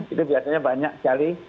itu biasanya banyak sekali